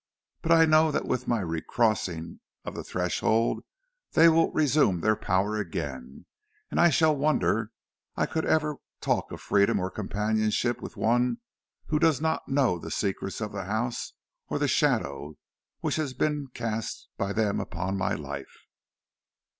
But I know that with my recrossing of the threshold they will resume their power again, and I shall wonder I could ever talk of freedom or companionship with one who does not know the secrets of the house or the shadow which has been cast by them upon my life."